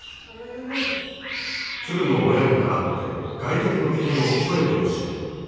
鶴の親に倣って外敵の危険を声で教える。